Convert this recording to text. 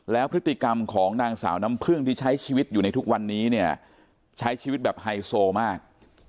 แล้วพฤติกรรมของนางสาวน้ำพึ่งที่ใช้ชีวิตอยู่ในทุกวันนี้เนี่ยใช้ชีวิตแบบไฮโซมาก